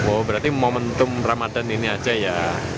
oh berarti momentum ramadhan ini aja ya